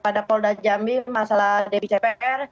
kepada polda jambi masalah dbcpr